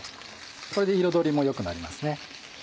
これで彩りも良くなりますね。